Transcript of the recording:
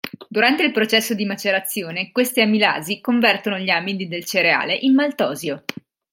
Durante il processo di macerazione queste amilasi convertono gli amidi del cereale in maltosio.